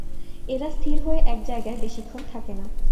এরা স্থির হয়ে এক জায়গায় বেশিক্ষণ থাকেনা।